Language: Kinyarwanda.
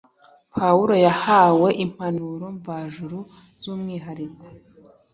Pawulo yahawe impano mvajuru z’umwihariko.